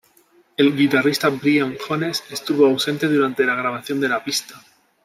El guitarrista Brian Jones estuvo ausente durante la grabación de la pista.